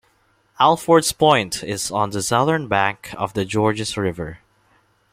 Alfords Point is on the southern bank of the Georges River.